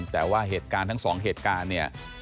แต่ว่าเหตุการณ์ทั้งสองเหตุการณ์เนี่ย